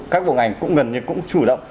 các bộ ngành cũng gần như cũng chủ động